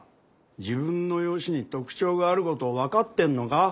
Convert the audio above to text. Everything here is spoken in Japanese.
自分の容姿に特徴があること分かってんのか？